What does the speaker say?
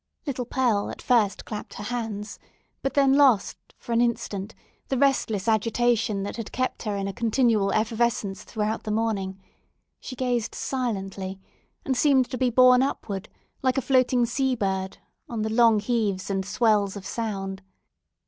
Little Pearl at first clapped her hands, but then lost for an instant the restless agitation that had kept her in a continual effervescence throughout the morning; she gazed silently, and seemed to be borne upward like a floating sea bird on the long heaves and swells of sound.